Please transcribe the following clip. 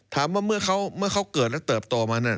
ถามว่าเมื่อเขาเกิดแล้วเติบโตมาเนี่ย